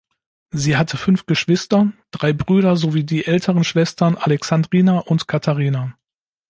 Sie hatte fünf Geschwister: drei Brüder sowie die älteren Schwestern Alexandrina und Katharina.